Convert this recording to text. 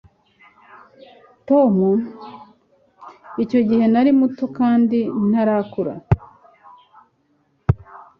Icyo gihe nari muto kandi ntarakura.